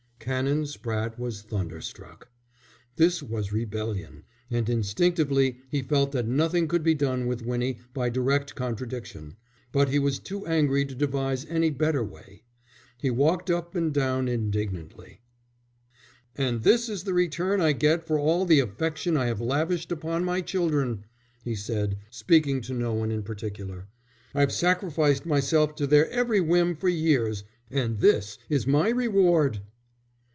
Canon Spratte was thunderstruck. This was rebellion, and instinctively he felt that nothing could be done with Winnie by direct contradiction. But he was too angry to devise any better way. He walked up and down indignantly. "And this is the return I get for all the affection I have lavished upon my children," he said, speaking to no one in particular. "I've sacrificed myself to their every whim for years and this is my reward."